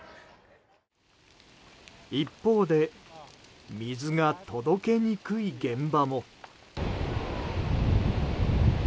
一方で、水が届けにくい現場も。